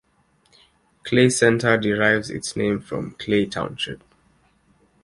Clay Center derives its name from Clay Township.